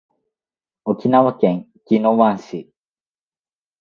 沖縄県宜野湾市